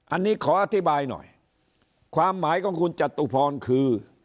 อันนี้ขออธิบายหน่อยความหมายของคุณจตุพรคือ